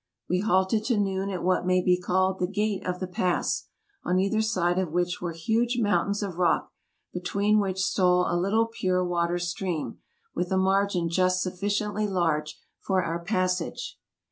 We halted to noon at what may be called the gate of the pass; on either side of which were huge mountains of rock, between which stole a little pure water stream, with a margin just sufficiently large for our passage.